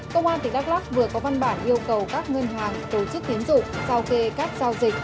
công an tỉnh đắk lắc vừa có văn bản yêu cầu các ngân hàng tổ chức tín dụng sao kê các giao dịch